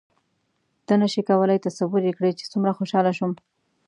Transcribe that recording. ته نه شې کولای تصور یې کړې چې څومره خوشحاله شوم.